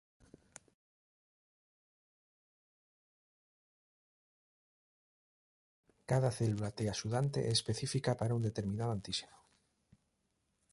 Cada célula T axudante é específica para un determinado antíxeno.